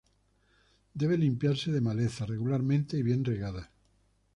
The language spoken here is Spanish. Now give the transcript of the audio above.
Debe limpiarse de malezas regularmente y bien regadas.